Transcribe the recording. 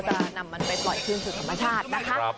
จะนำมันไปปล่อยคืนสู่ธรรมชาตินะคะ